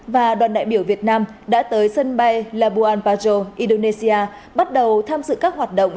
và đoàn đại biểu việt nam đã tới sân bay labuan pajo indonesia bắt đầu tham dự các hoạt động